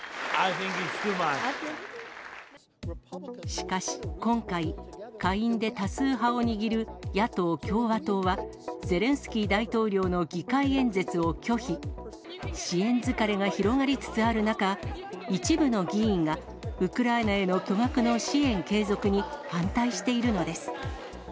しかし今回、下院で多数派を握る野党・共和党は、ゼレンスキー大統領の議会演説を拒否。支援疲れが広がりつつある中、一部の議員が、ウクライナへの巨額の支援継続に反対しているのです。